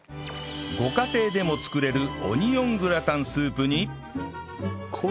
ご家庭でも作れるオニオングラタンスープに